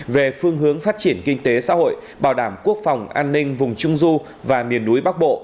về phương hướng phát triển kinh tế xã hội bảo đảm quốc phòng an ninh vùng trung du và miền núi bắc bộ